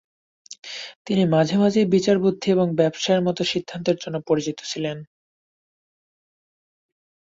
তিনি "মাঝে মাঝেই বিচারবুদ্ধি এবং ব্যবসায়ের মতো সিদ্ধান্তের" জন্য পরিচিত ছিলেন।